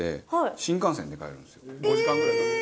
５時間ぐらいかけて。